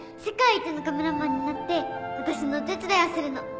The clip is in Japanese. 世界一のカメラマンになって私のお手伝いをするの